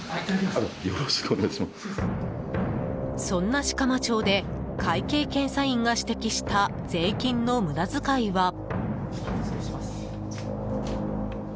そんな色麻町で会計検査院が指摘した税金の無駄遣いは。